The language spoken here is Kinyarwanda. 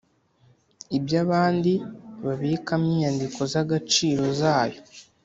Iby’abandi babikamo inyandiko z’agaciro zayo